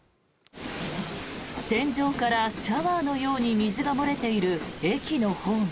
天井からシャワーのように水が漏れている駅のホーム。